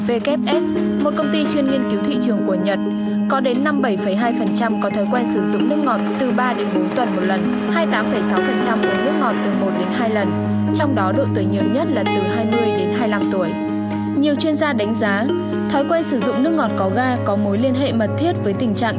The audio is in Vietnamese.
vfs một công ty chuyên nghiên cứu thị trường của nhật có đến năm bảy hai có thói quen sử dụng nước ngọt từ ba đến bốn tuần một lần